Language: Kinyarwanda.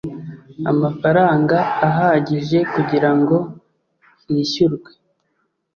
amafaranga ahagije kugira ngo hishyurwe